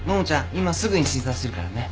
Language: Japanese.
今すぐに診察するからね。